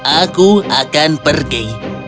aku akan pergi